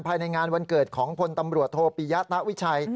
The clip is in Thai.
ภายในงานวันเกิดของพลตำรวจโทปิยะตะวิชัย